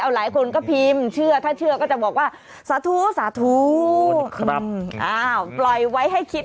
หลายคนก็พิมพ์เชื่อถ้าเชื่อก็จะบอกว่าสาธุสาธุครับอ้าวปล่อยไว้ให้คิด